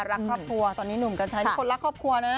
รักครอบครัวตอนนี้หนุ่มกัญชัยนี่คนรักครอบครัวนะ